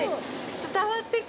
伝わってく！